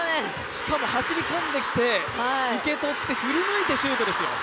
しかも走り込んできて受け取って、振り向いてシュートですよ。